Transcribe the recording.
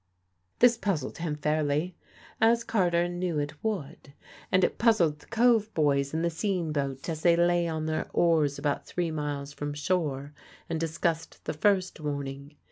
This puzzled him fairly, as Carter knew it would. And it puzzled the Cove boys in the sean boat as they lay on their oars about three miles from shore and discussed the first warning.